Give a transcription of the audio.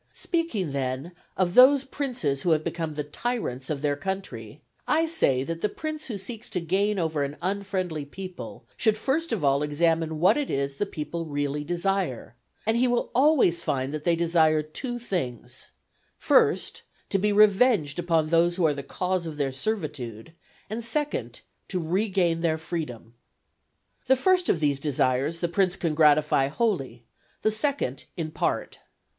Speaking, then of those princes who have become the tyrants of their country, I say that the prince who seeks to gain over an unfriendly people should first of all examine what it is the people really desire, and he will always find that they desire two things: first, to be revenged upon those who are the cause of their servitude; and second, to regain their freedom. The first of these desires the prince can gratify wholly, the second in part.